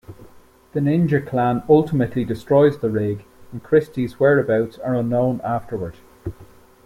The ninja clan ultimately destroys the rig, and Christie's whereabouts are unknown afterward.